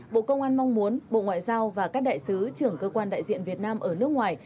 bộ công an mong muốn bộ ngoại giao và các đại sứ trưởng cơ quan đại diện việt nam ở nước ngoài